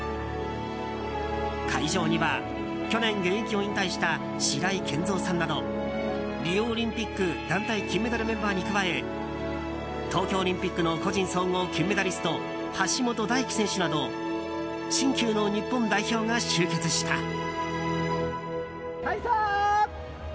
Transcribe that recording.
会場には去年、現役を引退した白井健三さんなどリオオリンピック団体金メダルメンバーに加え東京オリンピックの個人総合金メダリスト橋本大輝選手など新旧の日本代表が集結した。